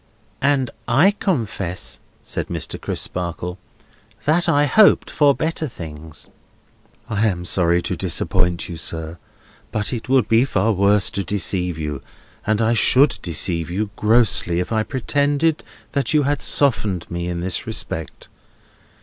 "And I confess," said Mr. Crisparkle, "that I hoped for better things." "I am sorry to disappoint you, sir, but it would be far worse to deceive you, and I should deceive you grossly if I pretended that you had softened me in this respect.